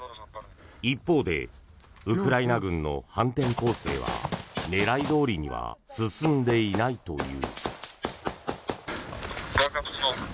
一方でウクライナ軍の反転攻勢は狙いどおりには進んでいないという。